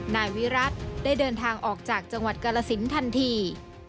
นายวิรัติได้เดินทางออกจากจังหวัดกาลสินทันที